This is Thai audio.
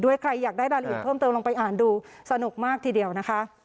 ใครอยากได้รายละเอียดเพิ่มเติมลงไปอ่านดูสนุกมากทีเดียวนะคะ